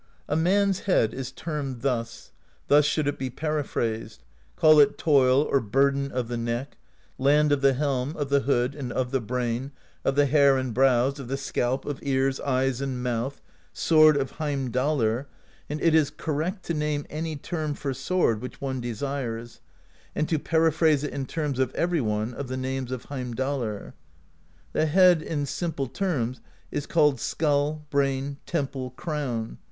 "A man's head is termed thus: [thus should it be periphrased: call it Toil or Burden of the Neck; Land of the Helm, of the Hood, and of the Brain, of the Hair and Brows, of the Scalp, of Ears, Eyes, and Mouth; Sword of Heimdallr, and it is correct to name any term for sword which one desires; and to periphrase it in terms of every one of the names of Heimdallr] ^ the Head, in simple terms, is called Skull, Brain, Temple, Crown.